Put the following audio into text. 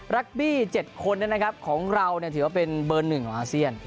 รักบี้๗คนของเราถือว่าเป็นเบอร์๑ของอาเซียน